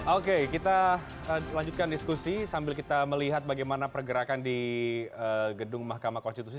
oke kita lanjutkan diskusi sambil kita melihat bagaimana pergerakan di gedung mahkamah konstitusi